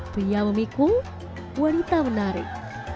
pria memikul wanita menarik